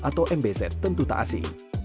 atau mbz tentu tak asing